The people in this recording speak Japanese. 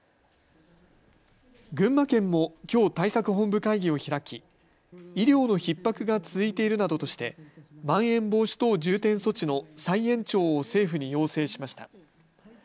群馬県もきょう対策本部会議を開き医療のひっ迫が続いているなどとしてまん延防止等重点措置の再延長を政府に要請しました。